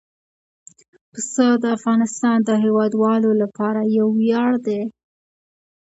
پسه د افغانستان د هیوادوالو لپاره یو ویاړ دی.